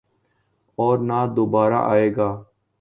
اور نہ دوبارہ آئے گا۔